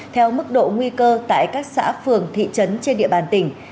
theo mức độ nguy cơ tại các xã phường thị trấn trên địa bàn tỉnh